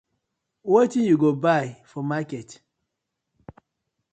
Wetin yu go bai for market.